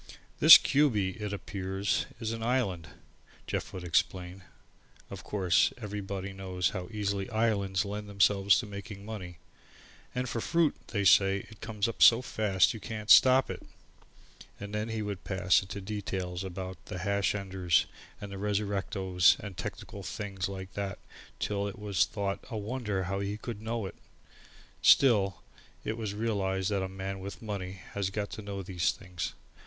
"This Cubey, it appears is an island," Jeff would explain. Of course, everybody knows how easily islands lend themselves to making money, "and for fruit, they say it comes up so fast you can't stop it." And then he would pass into details about the Hash enders and the resurrectos and technical things like that till it was thought a wonder how he could know it. Still, it was realized that a man with money has got to know these things.